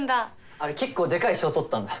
あれ結構でかい賞獲ったんだ。